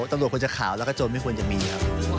ตำรวจควรจะขาวแล้วก็โจรไม่ควรจะมีครับ